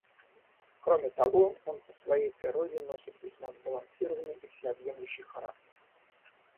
Кроме того, он по своей природе носит весьма сбалансированный и всеобъемлющий характер.